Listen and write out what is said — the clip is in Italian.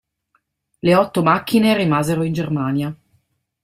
Le otto macchine rimasero in Germania.